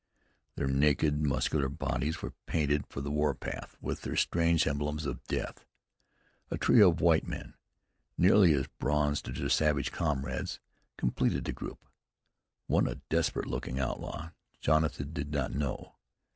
Their naked, muscular bodies were painted for the war path with their strange emblems of death. A trio of white men, nearly as bronzed as their savage comrades, completed the group. One, a desperate looking outlaw, Jonathan did not know.